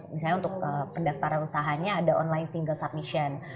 misalnya untuk pendaftaran usahanya ada online single submission